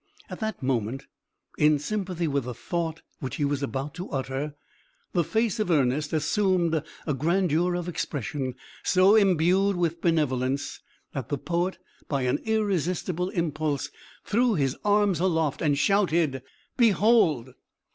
At that moment, in sympathy with a thought which he was about to utter, the face of Ernest assumed a grandeur of expression, so imbued with benevolence, that the poet, by an irresistible impulse, threw his arms aloft, and shouted: "Behold!